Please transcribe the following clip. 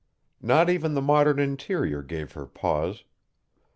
Not even the modern interior gave her pause.